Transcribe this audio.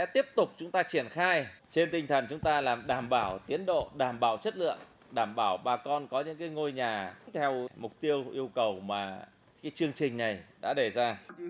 tiếp tục chúng ta triển khai trên tinh thần chúng ta làm đảm bảo tiến độ đảm bảo chất lượng đảm bảo bà con có những ngôi nhà theo mục tiêu yêu cầu mà chương trình này đã đề ra